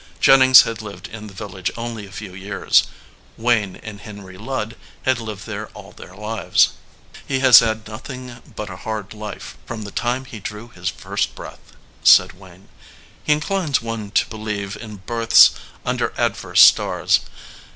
Jennings had lived in the village only a few years. Wayne and Henry Ludd had lived there all their lives. "He has had nothing but a hard life from the time he drew his first breath," said Wayne. "He inclines one to believe in births under adverse stars.